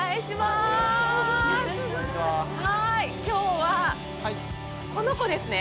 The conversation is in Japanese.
きょうは、この子ですね？